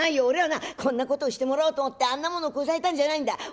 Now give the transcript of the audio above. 俺はなこんなことをしてもらおうと思ってあんなものをこさえたんじゃないんだ。